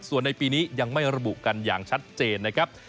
ส่วนในปีนี้ยังไม่ระบุกันอย่างชัดเจนนะครับ